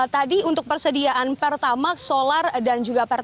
tadi untuk persediaan pertama solar dan juga perangkat